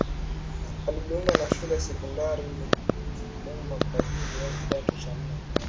Alijiunga na Shule ya Sekondari Lumumba kwa ajili ya Kidato cha Nne